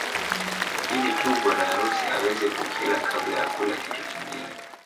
Ili tu bwana harusi aweze kukila kabla ya kula kitu kingine